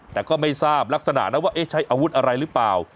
แต่ก็ไม่ทราบลักษณะนะว่าเอ๊ะใช้อาวุธอะไรหรือเปล่า